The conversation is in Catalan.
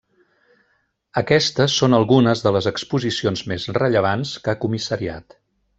Aquestes són algunes de les exposicions més rellevants que ha comissariat.